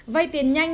vây tiền nhanh